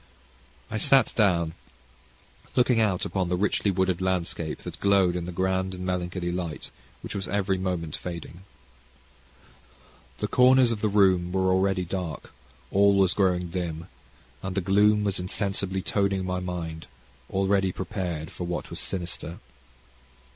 I sat down, looking out upon the richly wooded landscape that glowed in the grand and melancholy light which was every moment fading. The corners of the room were already dark; all was growing dim, and the gloom was insensibly toning my mind, already prepared for what was sinister.